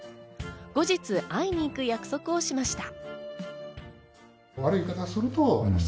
後日、会いに行く約束をしました。